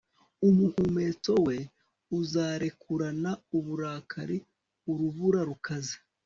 umuhumetso we uzarekurana uburakari urubura rukaze